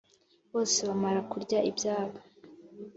Bose bamara kurya ibyabo,